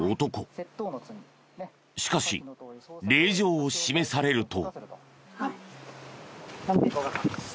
しかし令状を示されると。